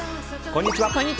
こんにちは。